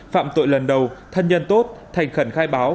phạm tội lần đầu thân nhân tốt thành khẩn khai báo